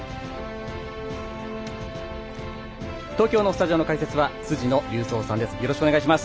東京のスタジオの解説は辻野隆三さんです。